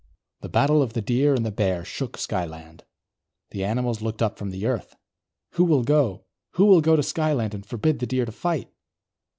The battle of the Deer and the Bear shook Skyland. The animals looked up from the earth. "Who will go? Who will go to Skyland and forbid the Deer to fight?"